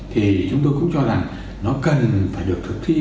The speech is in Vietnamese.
thì chúng tôi cũng cho rằng nó cần phải được thực thi